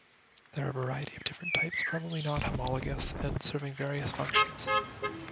There are a variety of different types, probably not homologous, and serving various functions.